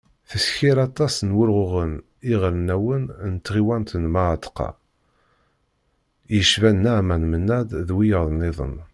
Tessker aṭas n wulɣuɣen iɣelnawen n tɣiwant n Mεatqa, yecban Naɛman Menad d wiyaḍ-nniḍen.